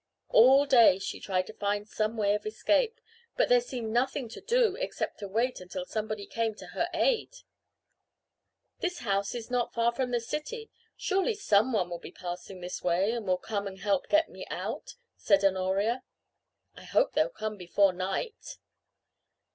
All day she tried to find some way of escape, but there seemed nothing to do except to wait until somebody came to her aid. "This house is not far from the city. Surely some one will be passing this way and will come and help me get out," said Honoria. "I hope they'll come before night."